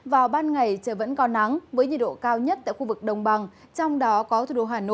vào ban ngày trời vẫn có nắng với nhiệt độ cao nhất tại khu vực đông bằng trong đó có thủ đô hà nội từ hai mươi năm đến hai mươi bảy độ